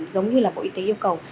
giống như bộ y tế yêu cầu